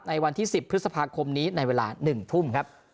วันที่๑๐พฤษภาคมนี้ในเวลา๑ทุ่มครับ